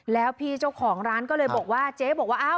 แล้วพี่เจ้าของร้านก็เลยบอกว่าเจ๊บอกว่า